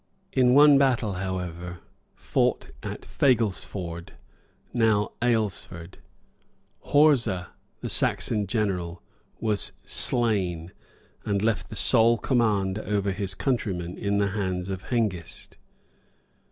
] In one battle, however, fought at Faglesford, now Ailsford, Horsa, the Saxon general, was slain and left the sole command over his countrymen in the hands of Hengist.